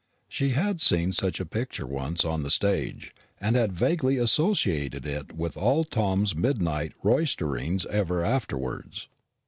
She had seen such a picture once on the stage, and had vaguely associated it with all Tom's midnight roisterings ever afterwards.